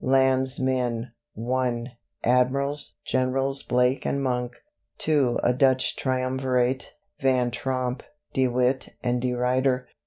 "Landsmen Admirals," Generals Blake and Monk. II. "A Dutch Triumvirate," Van Tromp, De Witt and De Ruyter.